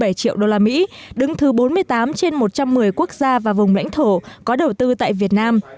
tổng cục hải quan là mỹ đứng thứ bốn mươi tám trên một trăm một mươi quốc gia và vùng lãnh thổ có đầu tư tại việt nam